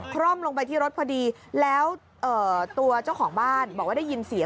คล่อมลงไปที่รถพอดีแล้วตัวเจ้าของบ้านบอกว่าได้ยินเสียง